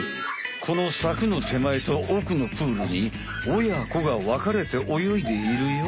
このさくのてまえと奥のプールにおやこがわかれておよいでいるよ。